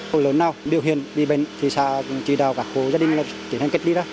hồ lớn nào biểu hiện bi bệnh thì xã trì đào các hồ gia đình tiến hành kết lý đó